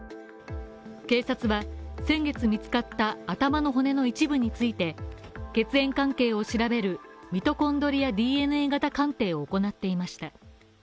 警察は先月見つかった頭の骨の一部について血縁関係を調べるミトコンドリアＤＮＡ型鑑定を行っていました。